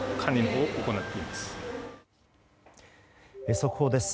速報です。